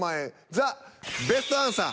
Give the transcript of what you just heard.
ザ・ベストアンサー。